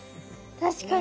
確かに。